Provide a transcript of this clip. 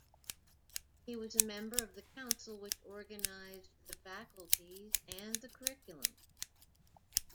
He was a member of the council which organized the faculties and the curriculum.